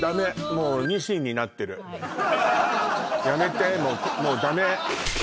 もうやめてもうもうダメ